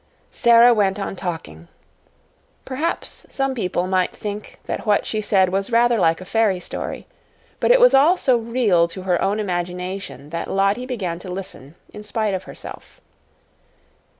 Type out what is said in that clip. Sara went on talking. Perhaps some people might think that what she said was rather like a fairy story, but it was all so real to her own imagination that Lottie began to listen in spite of herself.